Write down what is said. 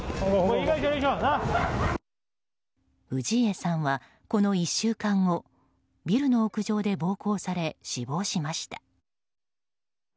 氏家さんは、この１週間後ビルの屋上で暴行され死亡しました。